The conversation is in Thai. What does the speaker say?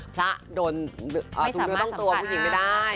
พระโดนถุงเนื้อต้องตัวผู้หญิงไม่ได้